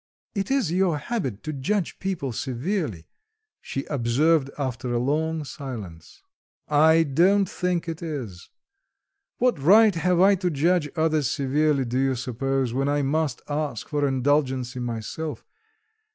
"It is your habit to judge people severely," she observed after a long silence. "I don't think it is. What right have I to judge others severely, do you suppose, when I must ask for indulgence myself?